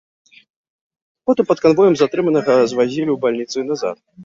Потым пад канвоем затрыманага звазілі ў бальніцу і назад.